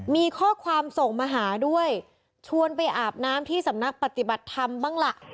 มีข้อความส่งมาหาด้วยชวนไปอาบน้ำที่สำนักปฏิบัติธรรมบ้างล่ะ